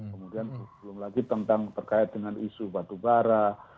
kemudian belum lagi tentang terkait dengan isu batubara